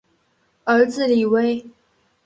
儿子李威。